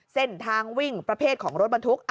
เส้นทางวิ่งประเภทของรถบรรทุก